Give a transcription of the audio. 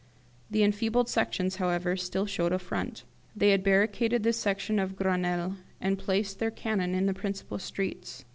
The enfeebled Sections, however, still showed a front. They had barricaded the Section of Grenelle, and placed their cannon in the principal streets.